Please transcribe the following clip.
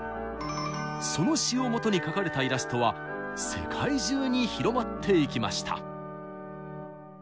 その詩をもとに描かれたイラストは世界中に広まっていきました。